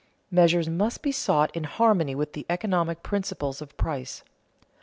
Measures must be sought in harmony with the economic principles of price.